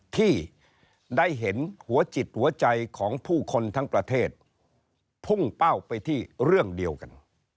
ที่ได้เห็นหัวจิตหัวใจของผู้คนทั้งประเทศพุ่งเป้าไปที่เรื่องเดียวกัน